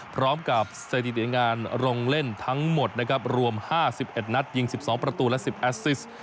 พร้อมกับสถิติงานลงเล่นทั้งหมดนะครับรวม๕๑นัดยิง๑๒ประตูและ๑๐แอสซิส